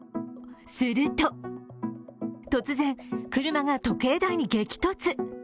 すると、突然、車が時計台に激突。